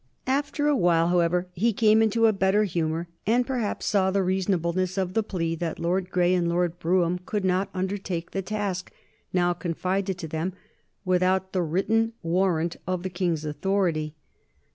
After a while, however, he came into a better humor, and perhaps saw the reasonableness of the plea that Lord Grey and Lord Brougham could not undertake the task now confided to them without the written warrant of the King's authority.